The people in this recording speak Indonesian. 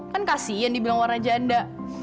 kan kasian dibilang warna janda